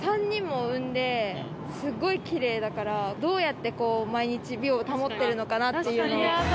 ３人も産んで、すっごいきれいだから、どうやって毎日、美を保っているのかなっていうの。